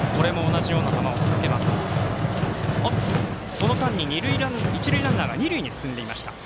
この間に一塁ランナーが二塁へ進んでいました。